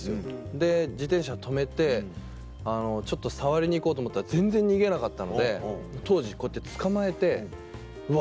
で自転車止めてちょっと触りに行こうと思ったら全然逃げなかったので当時こうやって捕まえてうわ